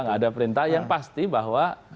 nggak ada perintah yang pasti bahwa